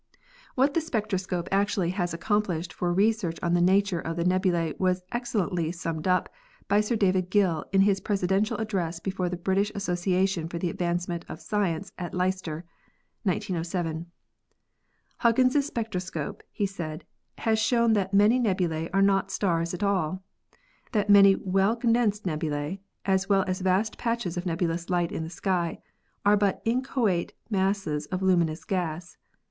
What the spectroscope actually has accomplished for research on the nature of the nebulae was excellently summed up by Sir David Gill in his presidential address before the British Association for the Advancement of Science at Leicester (1907). "Huggins' spectroscope," he said, "has shown that many nebulse are not stars at all; that many well condensed nebulse, as well as vast patches of nebulous light in the sky, are but inchoate masses of luminous gas.